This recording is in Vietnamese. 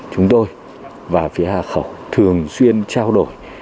chúng tôi và phía hà khẩu thường xuyên trao đổi